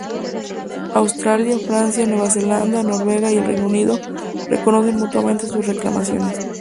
Australia, Francia, Nueva Zelanda, Noruega y el Reino Unido reconocen mutuamente sus reclamaciones.